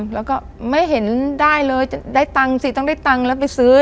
แล้วก็ไม่เห็นได้เลยจะได้ตังค์สิต้องได้ตังค์แล้วไปซื้อ